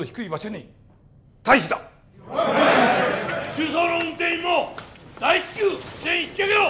中操の運転員も大至急全員引き揚げろ！